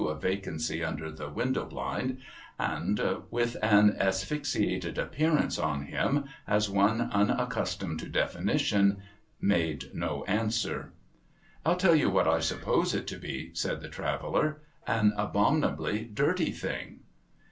256 TOM TIDDLER'S GROUND of vacancy under the window blind, and with an asphyxiated appearance on liim as one unaccustomed to definition — made no answer. ' I'll tell you what I suppose it to he,' said the Traveller. ' An abominably dirty thing.'